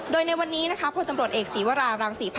โดยในวันนี้นะคะพนักงานสอบสวนนั้นก็ได้ปล่อยตัวนายเปรมชัยกลับไปค่ะ